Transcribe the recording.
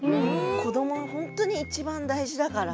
子どもには本当にいちばん大事だから。